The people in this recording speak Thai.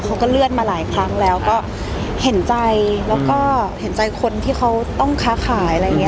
เขาก็เลื่อนมาหลายครั้งแล้วก็เห็นใจแล้วก็เห็นใจคนที่เขาต้องค้าขายอะไรอย่างนี้